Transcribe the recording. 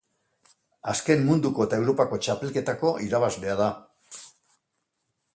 Azken Munduko eta Europako txapelketako irabazlea da.